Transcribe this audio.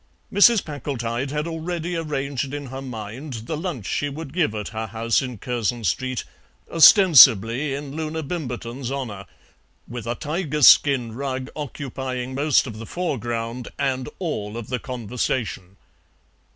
Mrs. Packletide had already arranged in her mind the lunch she would give at her house in Curzon Street, ostensibly in Loona Bimberton's honour, with a tiger skin rug occupying most of the foreground and all of the conversation.